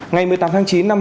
ngày một mươi tám tháng chín